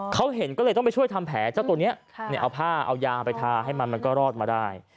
เขาเห็นก็เลยต้องไปช่วยทำแผลเจ้าตัวนี้เอาผ้าเอายาไปทาให้มันมันก็รอดมาได้